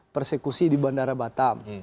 persekusi di bandara batam